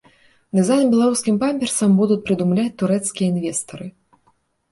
Дызайн беларускім памперсам будуць прыдумляць турэцкія інвестары.